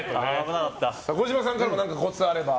児嶋さんからも何かコツあれば。